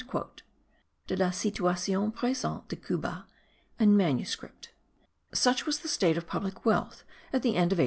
(De la situacion presente de Cuba in manuscript.) Such was the state of public wealth at the end of 1800.